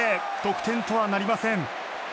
得点とはなりません。